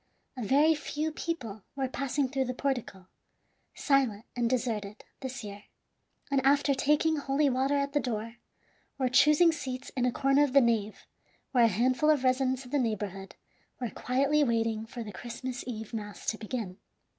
A very few people were passing through the portico, silent and deserted, this year, and after taking holy water at the door, were choosing seats in a corner of the nave, where a handful of residents of the neighborhood were quietly waiting for the Christmas Eve mass to begin.